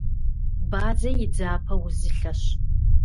Бадзэ и дзапэ узылъэщ.